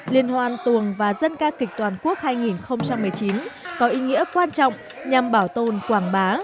liên hoan tuồng và dân ca kịch toàn quốc hai nghìn một mươi chín có ý nghĩa quan trọng nhằm bảo tồn quảng bá